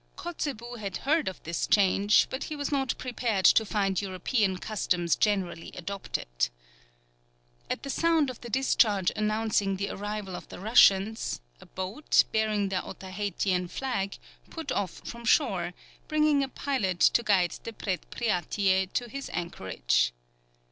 Kotzebue had heard of this change, but he was not prepared to find European customs generally adopted. At the sound of the discharge announcing the arrival of the Russians, a boat, bearing the Otaheitian flag, put off from shore, bringing a pilot to guide the Predpriatie to its anchorage.